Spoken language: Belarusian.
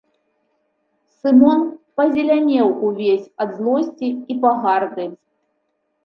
Сымон пазелянеў увесь ад злосці і пагарды.